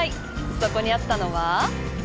そこにあったのは。